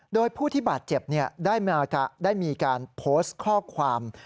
โดยผู้ที่บาดเจ็บได้มีการโพสต์ข้อความ